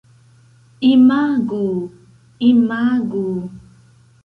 Imagu... imagu...